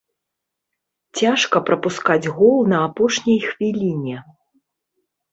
Цяжка прапускаць гол на апошняй хвіліне.